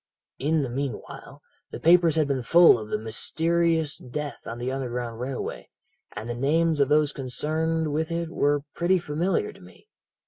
"'In the meanwhile the papers had been full of the mysterious death on the Underground Railway, and the names of those connected with it were pretty familiar to me.